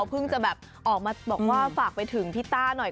เพิ่งจะแบบออกมาบอกว่าฝากไปถึงพี่ต้าหน่อย